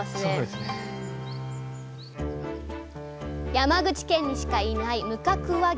山口県にしかいない無角和牛。